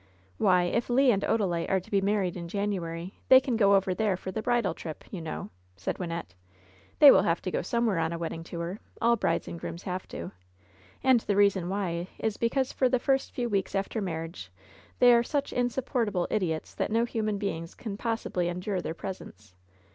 "Why, if Le and Odalite are to be married in Januarjr they can go over there for the bridal trip, you know," said Wynnette. "They will have to go somewhere on a wedding tour — all brides and grooms have to — ^and the* BO LOVE'S BITTEREST CUP reason why is because for the first few weeks after mar riage they are such insupportable idiots that no human beings can possibly endure their presence.